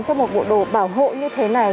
trong một bộ đồ bảo hộ như thế này